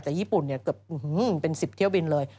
แต่ญี่ปุ่นเกือบเป็น๑๐เที่ยวบินเลย